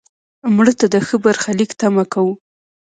مړه ته د ښه برخلیک تمه کوو